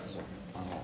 あの。